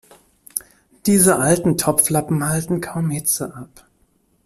Diese alten Topflappen halten kaum Hitze ab.